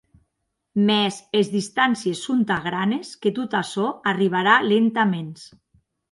Mès es distàncies son tan granes que tot açò arribarà lentaments.